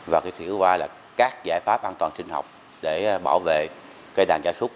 và cái thứ ba là các giải pháp an toàn sinh học để bảo vệ cây đàn chả súc